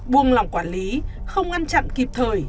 buông lỏng quản lý không ngăn chặn kịp thời